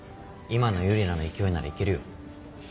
今のユリナの勢いならいけるよ。